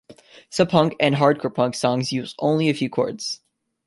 Some punk and hardcore punk songs use only a few chords.